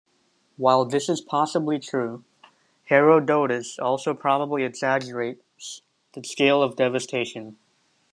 While this is possibly true, Herodotus also probably exaggerates the scale of devastation.